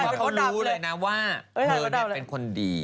ว่าเค้ารู้เลยนะว่าเธอแบบเป็นคนดี